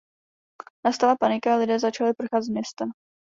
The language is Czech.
Nastala panika a lidé začali prchat z města.